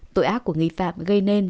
tội ác của nghi phạm gây nên